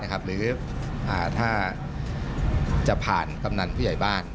หรือถ้าจะผ่านกำนันผู้ใหญ่บ้าน